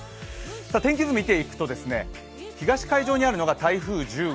天気図を見ていくと、東海上にあるのが台風１０号。